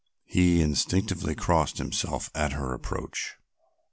He instinctively crossed himself at her approach.